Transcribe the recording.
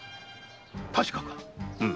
確かか？